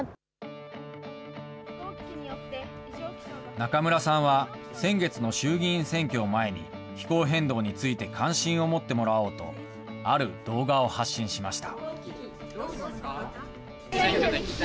中村さんは、先月の衆議院選挙を前に、気候変動について関心を持ってもらおうと、ある動画を発信しました。